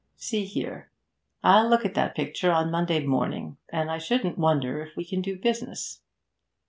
See here, I'll look at that picture on Monday morning, and I shouldn't wonder if we can do business."